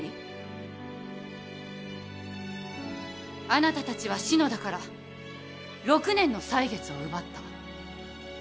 あなたたちは篠田から６年の歳月を奪った。